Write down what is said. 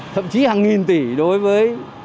thậm chí hàng nghìn tỷ đối với